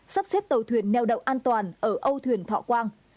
sắp xếp tàu thuyền neo đậu an toàn ở âu thuyền thọ quang